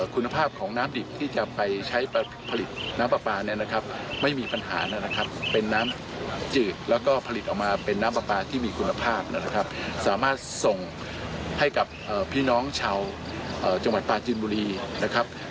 คุณภาพของน้ำดิบที่จะไปใช้ผลิตน้ำปลาปาเนี่ยนะครับ